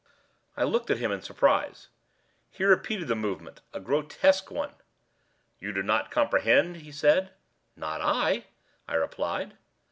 I looked at him in surprise. He repeated the movement—a grotesque one. "You do not comprehend?" he said. "Not I," I replied.